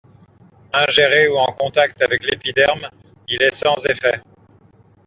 Ingéré ou en contact avec l'épiderme, il est sans effet.